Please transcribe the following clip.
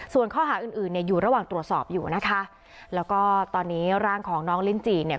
ส่วนข้อหาอื่นอื่นเนี่ยอยู่ระหว่างตรวจสอบอยู่นะคะแล้วก็ตอนนี้ร่างของน้องลิ้นจีเนี่ย